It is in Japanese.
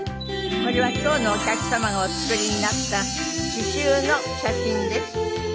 これは今日のお客様がお作りになった刺繍の写真です。